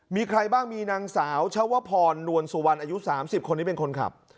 มีใครบ้างมีนางสาวชวพรนวลสุวรรณอายุ๓๐คนนี้เป็นคนขับ